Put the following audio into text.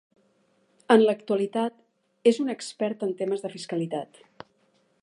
En l'actualitat és un expert en temes de fiscalitat.